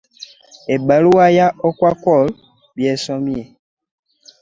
Ebbaluwa ya Okwakol bw'esomye.